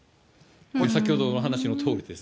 先ほどのお話しのとおりです。